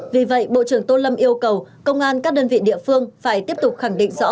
vì vậy bộ trưởng tô lâm yêu cầu công an các đơn vị địa phương phải tiếp tục khẳng định